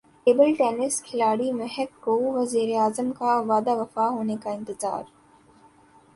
table tennis کھلاڑی مہک کو وزیراعظم کا وعدہ وفا ہونے کا انتظار